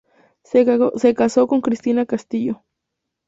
Se casó con Cristina Castillo.